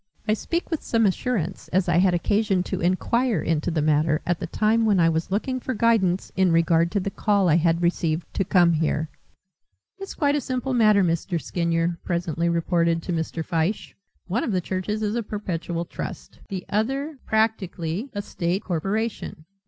I speak with some assurance as I had occasion to enquire into the matter at the time when I was looking for guidance in regard to the call I had received to come here." "It's a quite simple matter," Mr. Skinyer presently reported to Mr. Fyshe. "One of the churches is a perpetual trust, the other practically a state corporation.